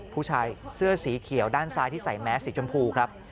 ผู้ชายเสื้อสีเขียวด้านซ้ายที่ใส่แมสสีชมพูครับ